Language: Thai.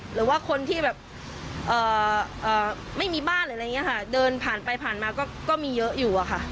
หรือว่าคนที่แบบไม่มีบ้านหรืออะไรอย่างนี้ค่ะเดินผ่านไปผ่านมาก็มีเยอะอยู่อะค่ะ